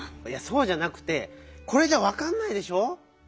いやそうじゃなくてこれじゃわかんないでしょ？